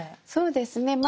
そうですね